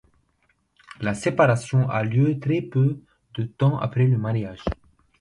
La séparation a lieu très peu de temps après le mariage.